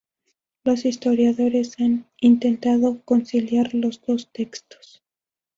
Los historiadores han intentado conciliar los dos textos.